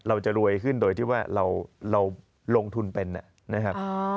เราจะรวยขึ้นโดยที่ว่าเราลงทุนเป็นนะครับ